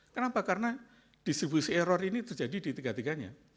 kenapa karena distribusi error ini terjadi di tiga tiganya